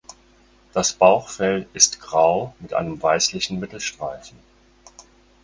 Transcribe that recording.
Das Bauchfell ist grau mit einem weißlichen Mittelstreifen.